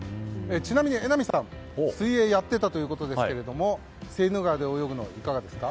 ちなみに榎並さん、水泳をやっていたということですがセーヌ川で泳ぐのいかがですか？